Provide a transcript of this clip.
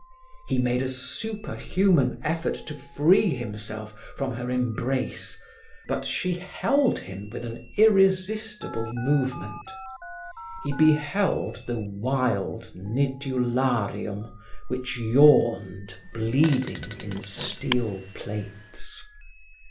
He made a superhuman effort to free himself from her embrace, but she held him with an irresistible movement. He beheld the wild Nidularium which yawned, bleeding, in steel plates.